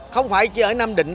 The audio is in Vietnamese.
không phải chỉ ở nam định